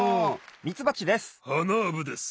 ミツバチです。